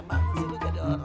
bentar gua gua gua